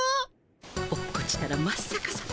落っこちたらまっさかさま。